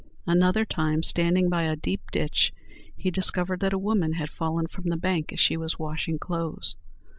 Another time, standing by a deep ditch, he discovered that a woman had fallen from the bank as she was washing clothes.